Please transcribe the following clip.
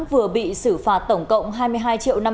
vừa bị xử phạt tổng cộng hai mươi hai triệu năm